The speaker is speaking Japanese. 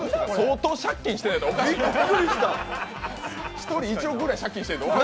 １人１億ぐらい借金してないと。